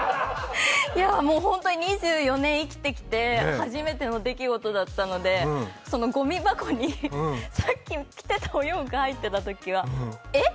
本当に２４年生きてきて初めての出来事だったのでそのごみ箱に、さっき着てたお洋服が入ってたときにはえっ！